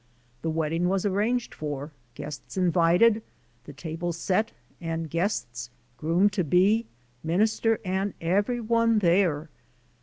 The wedding was arranged for, guests in vited, the table set, and guests, groom to be, minister and everyone there.